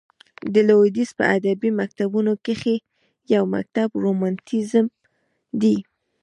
د لوېدیځ په ادبي مکتبونو کښي یو مکتب رومانتیزم دئ.